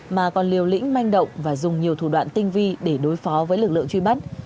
mà còn liều lĩnh manh động và dùng nhiều thủ đoạn tinh vi để đối phó với lực lượng truy bắt